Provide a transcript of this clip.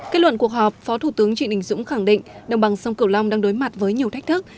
kết luận cuộc họp phó thủ tướng trịnh đình dũng khẳng định đồng bằng sông cửu long đang đối mặt với nhiều thách thức